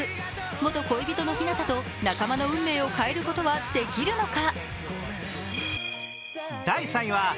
元恋人のヒナタと仲間の運命を変えることはできるのか。